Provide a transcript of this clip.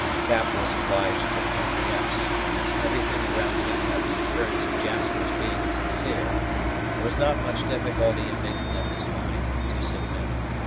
Cap was obliged to acquiesce; and, as everything around him had the appearance of Jasper's being sincere, there was not much difficulty in making up his mind to submit.